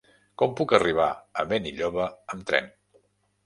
Com puc arribar a Benilloba amb tren?